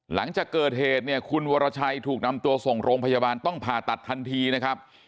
หลังจากเกิดเหตุเนี่ยคุณวรชัยถูกนำตัวส่งโรงพยาบาลต้องผ่าตัดทันทีนะครับ